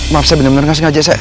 maaf saya bener bener gak sengaja